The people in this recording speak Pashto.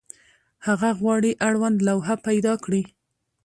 هغه غواړي اړوند لوحه پیدا کړي.